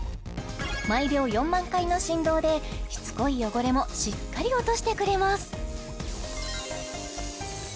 毎秒４万回の振動でしつこい汚れもしっかり落としてくれます